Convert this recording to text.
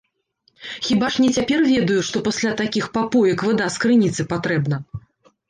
Хіба ж не цяпер ведаю, што пасля такіх папоек вада з крыніцы патрэбна.